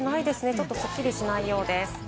ちょっとすっきりしないようです。